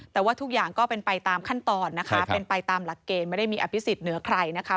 แต่ว่าทุกอย่างก็เป็นไปตามขั้นตอนนะคะเป็นไปตามหลักเกณฑ์ไม่ได้มีอภิษฎเหนือใครนะคะ